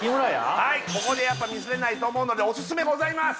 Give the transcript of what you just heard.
はいここでやっぱミスれないと思うのでオススメございます！